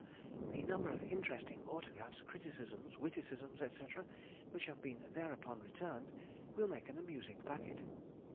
The number of interesting autographs, criticisms, witticisms, &c., which have been thereupon returned, will make an amusing packet.